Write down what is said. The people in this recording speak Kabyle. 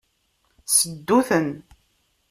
Seddu-ten.